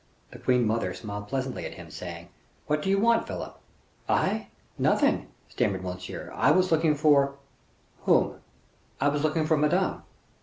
The queen mother smiled pleasantly at him, saying, "What do you want, Philip?" "I? nothing," stammered Monsieur. "I was looking for " "Whom?" "I was looking for Madame."